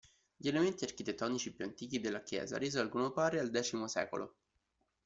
Gli elementi architettonici più antichi della chiesa risalgono, pare, al X secolo.